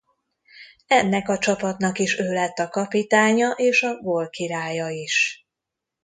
Ennek a csapatnak is ő lett a kapitánya és a gólkirálya is.